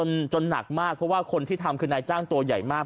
เพราะว่าคนที่ทำคือนายจ้างตัวใหญ่มาก